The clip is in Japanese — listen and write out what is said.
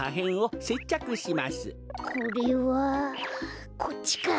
これはこっちか。